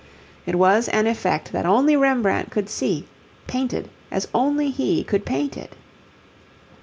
It was an effect that only Rembrandt could see, painted as only he could paint it.